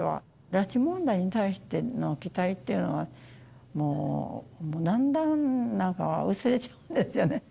拉致問題に対しての期待っていうのは、もう、だんだんなんか薄れちゃうんですよね。